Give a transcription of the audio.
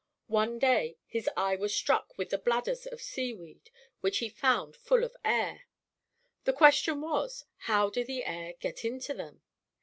One day his eye was struck with the bladders of seaweed, which he found full of air. The question was, how did the air get into them?